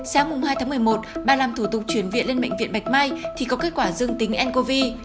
sáng hai tháng một mươi một bà làm thủ tục chuyển viện lên bệnh viện bạch mai thì có kết quả dương tính ncov